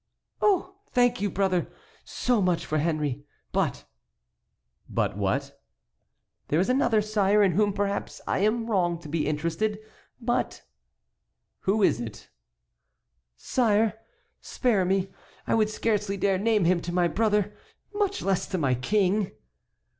"Oh! thank you, brother! so much for Henry. But"— "But what?" "There is another, sire, in whom perhaps I am wrong to be interested, but"— "Who is it?" "Sire, spare me. I would scarcely dare name him to my brother, much less to my King."